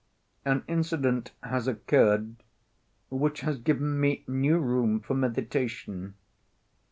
An incident has occurred which has given me new room for meditation.